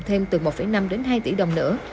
thêm từ một năm đến hai tỷ đồng nữa